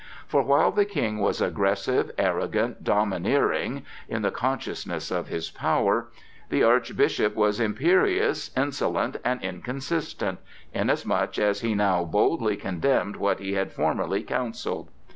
For while the King was aggressive, arrogant, domineering, in the consciousness of his power, the Archbishop was imperious, insolent, and inconsistent, inasmuch as he now boldly condemned what he had formerly counselled.